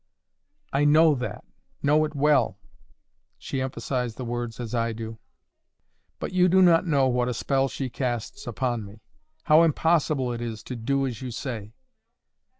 "I KNOW that—know it WELL." (She emphasized the words as I do.) "But you do not know what a spell she casts upon me; how impossible it is to do as you say."